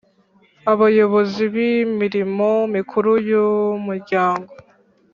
Abayobozi bimirimo mikuru yumuryango